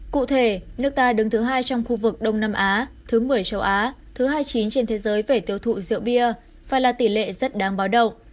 cụ thể nước ta đứng thứ hai trong khu vực đông nam á thứ một mươi châu á thứ hai mươi chín trên thế giới về tiêu thụ rượu bia phải là tỷ lệ rất đáng báo động